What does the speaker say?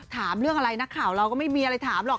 ถามเรื่องอะไรนักข่าวเราก็ไม่มีอะไรถามหรอก